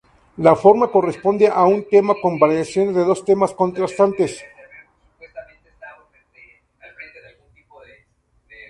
La forma corresponde a un tema con variaciones de dos temas contrastantes.